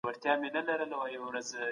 دولت باید د محتکرینو مخه ونیسي.